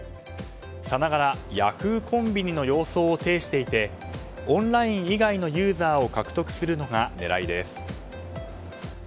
さながらＹａｈｏｏ！コンビニの様相を呈していてオンライン以外のユーザーを獲得するのが狙いです。